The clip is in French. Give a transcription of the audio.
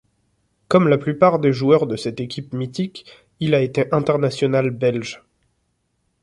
Comme la plupart des joueurs de cette équipe mythique, il a été international belge.